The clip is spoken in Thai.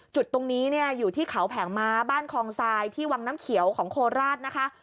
จุดตรงนี้เนี่ยอยู่ที่เขาแผงม้าบ้านคองทรายที่วังน้ำเขียวของโคราชนะคะ